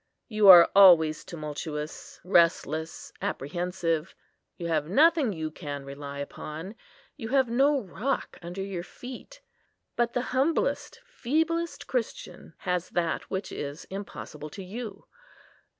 You are always tumultuous, restless, apprehensive. You have nothing you can rely upon. You have no rock under your feet. But the humblest, feeblest Christian has that which is impossible to you.